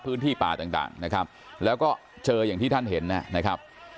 พื้นที่ป่าต่างนะครับแล้วก็เจออย่างที่ท่านเห็นนะครับ